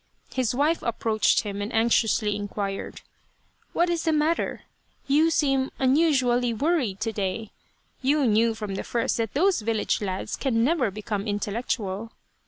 His wife approached him and anxiously inquired :" What is the matter ? You seem unusually 198 Loyal, Even Unto Death worried to day. You knew from the first that those village lads can never become intellectual.